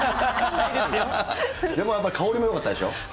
でもやっぱり香りもよかったでしょ？